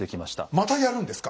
またやるんですか？